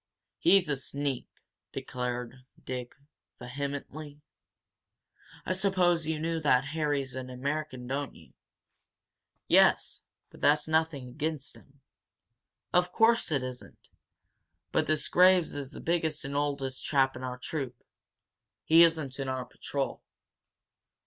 "He's a sneak!" declared Dick, vehemently. "I suppose you know that Harry's an American, don't you?" "Yes, but that's nothing against him." "Of course it isn't! But this Graves is the biggest and oldest chap in our troop he isn't in our patrol.